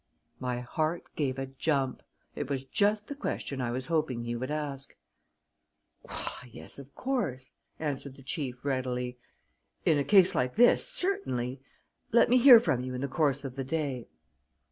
My heart gave a jump. It was just the question I was hoping he would ask. "Why, yes, of course," answered the chief readily. "In a case like this, certainly. Let me hear from you in the course of the day."